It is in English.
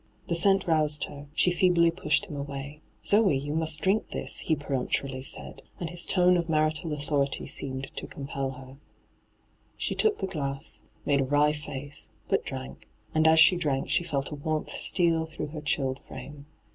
The scent roused her ; she feebly pushed him away. ' Zoe, you must drink this,' he peremptorily hyGoo>^lc ENTRAPPED 175 said, and bis tone of marital authonty seemed to compel her. She took the glass, made a wry faee, but drank, and as she drank she felt a warmth steal through her chilled frame.